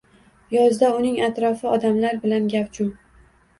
Yozda uning atrofi odamlar bilan gavjum